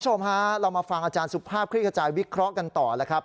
คุณผู้ชมฮะเรามาฟังอาจารย์สุภาพคลิกขจายวิเคราะห์กันต่อแล้วครับ